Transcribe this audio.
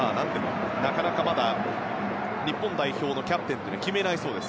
まだ日本代表のキャプテンは決めないようです。